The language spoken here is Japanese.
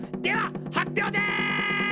では発表です！